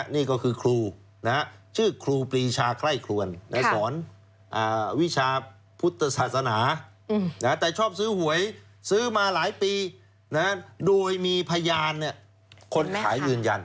นี่ก็คือครูชื่อครูปรีชาไคร่ครวนในสอนวิชาพุทธศาสนาแต่ชอบซื้อหวยซื้อมาหลายปีโดยมีพยานคนขายยืนยัน